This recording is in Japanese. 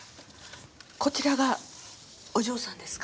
こちらがお嬢さんですか？